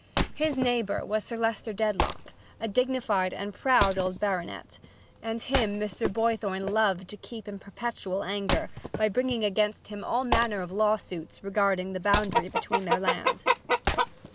His neighbor was Sir Leicester Dedlock, a dignified and proud old baronet, and him Mr. Boythorn loved to keep in perpetual anger by bringing against him all manner of lawsuits regarding the boundary between their land.